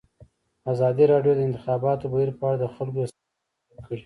ازادي راډیو د د انتخاباتو بهیر په اړه د خلکو احساسات شریک کړي.